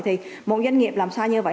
thì một doanh nghiệp làm sai như vậy